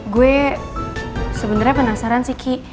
gue sebenarnya penasaran sih ki